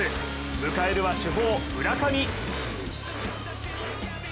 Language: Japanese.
迎えるは主砲・村上。